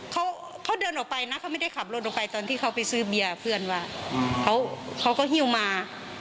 เขาเขาเดินออกไปนะเขาไม่ได้ขับรถออกไปตอนที่เขาไปซื้อเบียร์เพื่อนว่าเขาเขาก็หิ้วมา